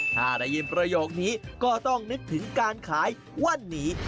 ถ้าได้ยินประโยคนี้ก็ต้องนึกถึงการขายวันนี้